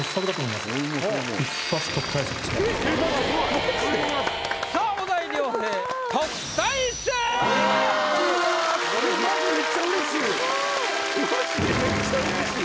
まじでめっちゃうれしい。